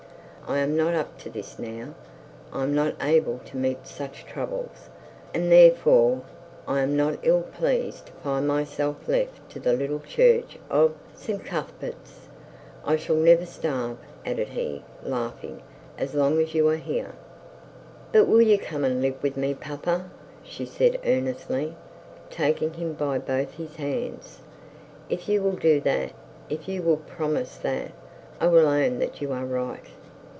I am not up to this now, I am not able to meet such troubles; and therefore I am not ill pleased to find myself left to the little church of St Cuthbert's. I shall never starve,' added he, laughing 'as long as you are here.' 'But if you will come and live with me, papa?' she said earnestly, taking him by both his hands. 'If you will do that, if you will promise that, I will own that you are right.'